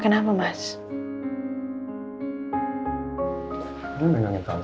aku gak akan pernah capek untuk pegang tangan kamu mas